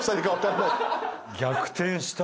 逆転した。